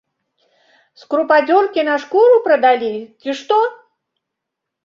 З крупадзёркі на шкуру прадалі, ці што?